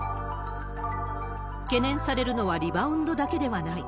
懸念されるのはリバウンドだけではない。